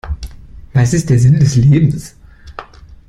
Was ist der Sinn des Lebens?